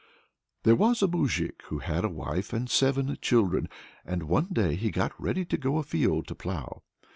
"There was a moujik who had a wife and seven children, and one day he got ready to go afield, to plough.